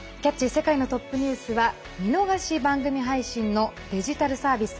世界のトップニュース」は見逃し配信のデジタルサービス